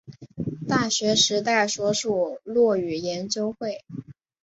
大学时代所属落语研究会。